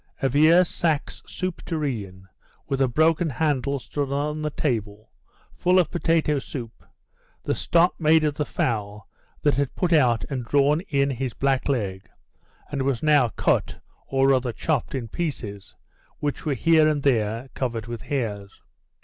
A vieux saxe soup tureen with a broken handle stood on the table, full of potato soup, the stock made of the fowl that had put out and drawn in his black leg, and was now cut, or rather chopped, in pieces, which were here and there covered with hairs.